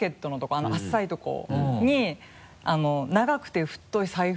あの浅いとこに長くて太い財布。